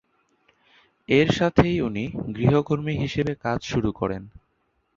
এর সাথেই উনি গৃহকর্মী হিসেবে কাজ শুরু করেন।